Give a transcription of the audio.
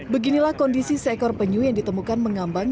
beginilah kondisi seekor penyu yang ditemukan mengambang